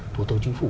của tổ chức chính phủ